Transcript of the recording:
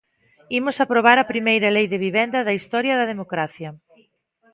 Imos aprobar a primeira lei de vivenda da historia da democracia.